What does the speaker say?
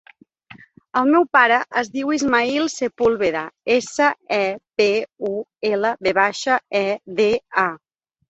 El meu pare es diu Ismaïl Sepulveda: essa, e, pe, u, ela, ve baixa, e, de, a.